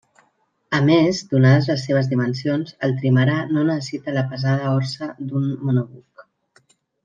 A més, donades les seves dimensions, el trimarà no necessita la pesada orsa d'un monobuc.